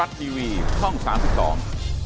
ความพร้อม